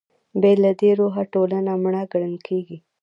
بې له دې روحه ټولنه مړه ګڼل کېږي.